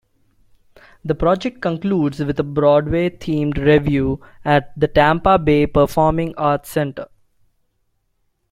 The project concludes with a Broadway-themed revue at The Tampa Bay Performing Arts Center.